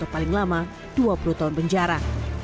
paling lama dua puluh tahun penjara